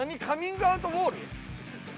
カミングアウトウォール？